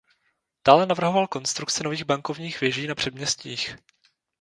Dále navrhoval konstrukce nových bankovních věží na předměstích.